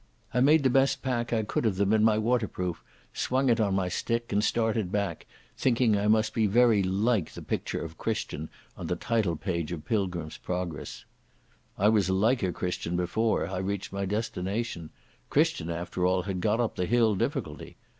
I made the best pack I could of them in my waterproof, swung it on my stick, and started back, thinking that I must be very like the picture of Christian on the title page of Pilgrim's Progress. I was liker Christian before I reached my destination—Christian after he had got up the Hill Difficulty.